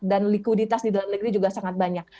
dan likuiditas di dalam negeri juga sangat banyak